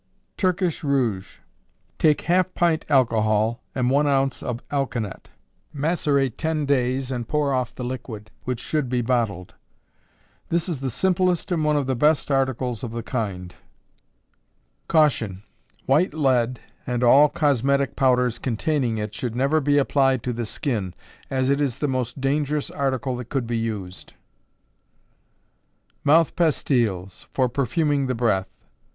Turkish Rouge. Take half pint alcohol and one ounce of alkanet; macerate ten days and pour off the liquid, which should be bottled. This is the simplest and one of the best articles of the kind. Caution. White lead, and all cosmetic powders containing it should never be applied to the skin, as it is the most dangerous article that could be used. _Mouth Pastiles, for Perfuming the Breath.